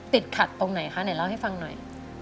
ติดขัดตรงไหนคะไหนเล่าให้ฟังหน่อย